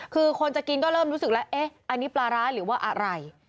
คือคนจะกินก็เริ่มรู้สึกแล้วเอ๊ะอันนี้ปลาร้าหรือว่าอะไร